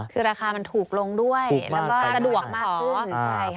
คือราคามันถูกลงด้วยแล้วก็สะดวกมาก